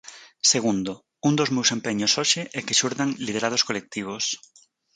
Segundo, "un dos meus empeños hoxe é que xurdan liderados colectivos".